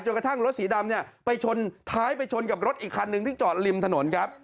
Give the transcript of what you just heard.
กระทั่งรถสีดำเนี่ยไปชนท้ายไปชนกับรถอีกคันหนึ่งที่จอดริมถนนครับ